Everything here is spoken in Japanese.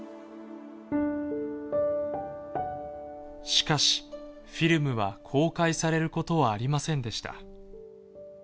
しかしフィルムは公開されることはありませんでした。